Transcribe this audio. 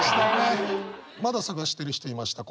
まだ探してる人いました。